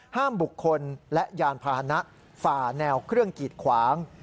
ห้ามบุคคลและยานพาหนะฝ่าแนวเครื่องกีดขวาง